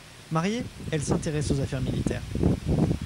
Mariée, elle s'intéresse aux affaires militaires.